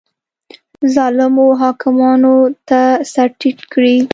ظالمو حاکمانو ته سر ټیټ کړي